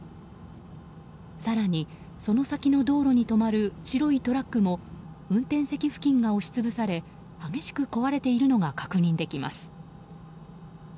更に、その先の道路に止まる白いトラックも運転席付近が押し潰され激しく壊れているのが確認できます。